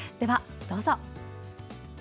どうぞ！